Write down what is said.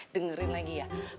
dengerin lagi ya